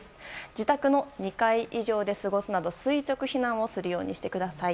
自宅の２階以上で過ごすなど、垂直避難をするようにしてください。